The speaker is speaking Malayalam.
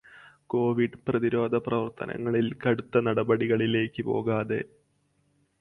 കോവിഡ് പ്രതിരോധപ്രവർത്തങ്ങളിൽ കടുത്തനടപടികളിലേക്ക് പോകാതെ